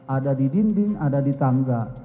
ada di dinding ada di tangga